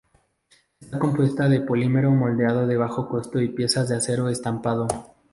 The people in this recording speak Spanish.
Está compuesta de polímero moldeado de bajo costo y piezas de acero estampado.